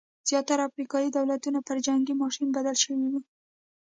زیاتره افریقايي دولتونه پر جنګي ماشین بدل شوي وو.